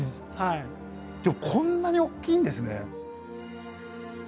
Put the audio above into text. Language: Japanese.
こんなに大きいんですね。